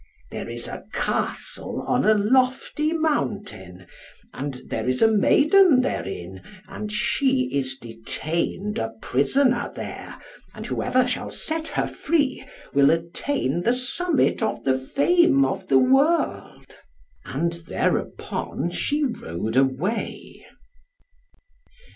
There is a Castle on a lofty mountain, and there is a maiden therein, and she is detained a prisoner there, and whoever shall set her free will attain the summit of the fame of the world." And thereupon she rode away.